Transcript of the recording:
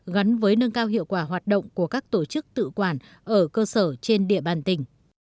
gắn với nâng cao hiệu quả hoạt động của các tổ chức tự quản ở cơ sở trên địa bàn tỉnh